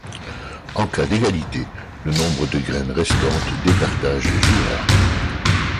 En cas d'égalité, le nombre de graines restantes départage les joueurs.